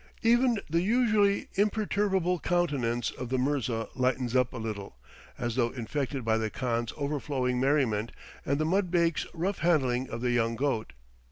Even the usually imperturbable countenance of the mirza lightens up a little, as though infected by the khan's overflowing merriment and the mudbake's rough handling of the young goat.